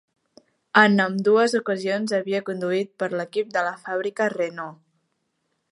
En ambdues ocasions havia conduït per l'equip de la fàbrica Renault.